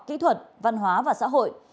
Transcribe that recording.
kỹ thuật văn hóa và xã hội